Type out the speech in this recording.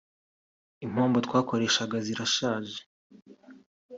Impombo twakoreshaga zirashaje